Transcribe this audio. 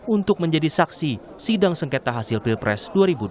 untuk menjadi saksi sidang sengketa hasil pilpres dua ribu dua puluh